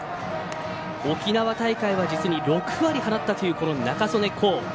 沖縄大会は実に６割放ったという仲宗根皐。